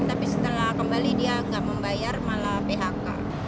tapi setelah kembali dia nggak membayar malah phk